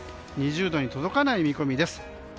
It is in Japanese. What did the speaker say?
２０度に届かない見込みです。